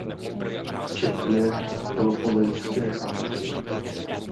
Včetně Peloponéské války.